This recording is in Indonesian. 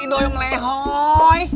ido yang lehoi